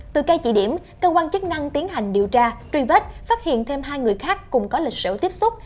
từ cây chỉ điểm cơ quan chức năng tiến hành điều tra truy vết phát hiện thêm hai người khác cùng có lịch sử tiếp xúc